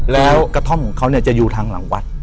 แล้วกระท่อมของเขาจะอยู่ทางหลังวัด